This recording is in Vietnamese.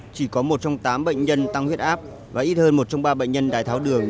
chỉ có một trong tám bệnh nhân tăng huyết áp và ít hơn một trong ba bệnh nhân đai tháo đường